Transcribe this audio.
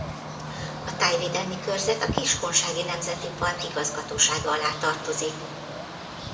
A Tájvédelmi körzet a Kiskunsági Nemzeti Park Igazgatósága alá tartozik.